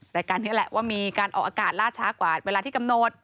รายการนี้แหละว่ามีการออกอากาศล่าช้ากว่าเวลาที่กำหนด